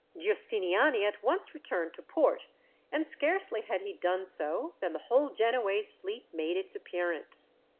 Giustiniani at once returned to port, and scarcely had he done so, than the whole Genoese fleet made its appearance.